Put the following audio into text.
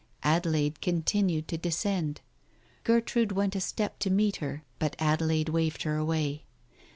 ... Adelaide continued to descend. Gertrude went a step to meet her, but Adelaide waved her away.